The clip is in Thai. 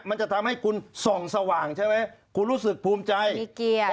มันจะทำให้คุณส่องสว่างใช่ไหมคุณรู้สึกภูมิใจมีเกียรติ